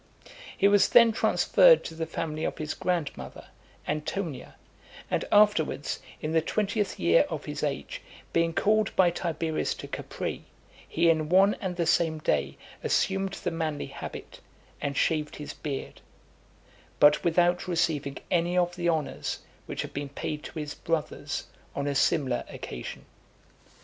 He was then transferred to the family of his grandmother, Antonia, and afterwards, in the twentieth year of his age, being called by Tiberius to Capri, he in one and the same day assumed the manly habit, and shaved his beard, but without receiving any of the honours which had been paid to his brothers on a similar (257) occasion.